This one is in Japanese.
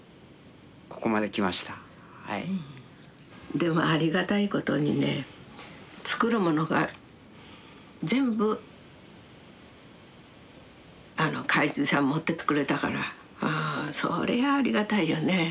でもありがたいことにね作る物が全部買い継ぎさん持ってってくれたからそりゃあありがたいよね。